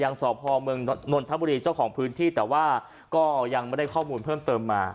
สพเมืองนนทบุรีเจ้าของพื้นที่แต่ว่าก็ยังไม่ได้ข้อมูลเพิ่มเติมมา